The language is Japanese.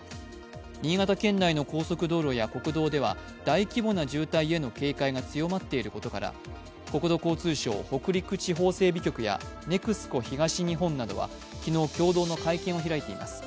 新潟県内の高速道路や国道では大規模な渋滞への警戒が強まっていることから国土交通省北陸地方整備局やＮＥＸＣＯ東日本などは昨日、共同の会見を開いています。